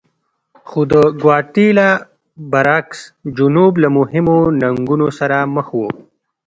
خو د ګواتیلا برعکس جنوب له مهمو ننګونو سره مخ و.